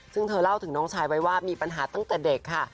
ซึ่งเธอเล่าถึงน้องชายไว้ว่ามีปัญหาตั้งแต่เด็กค่ะ